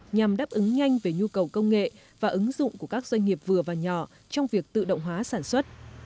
nhằm đáp ứng nhanh về nhu cầu công nghệ và ứng dụng của các doanh nghiệp vừa và nhỏ trong việc tự động hóa sản xuất